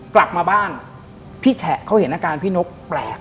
กลับมาบ้านพี่แฉะเขาเห็นอาการพี่นกแปลก